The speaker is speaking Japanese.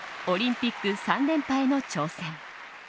オリンピック３連覇への挑戦。